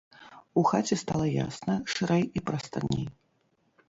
У хаце стала ясна, шырэй і прастарней.